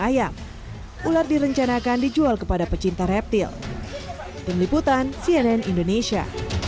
ayam ular direncanakan dijual kepada pecinta reptil tim liputan cnn indonesia